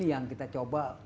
ini yang kita coba